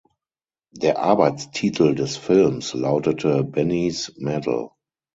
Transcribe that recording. Der Arbeitstitel des Films lautete "Benny’s Medal".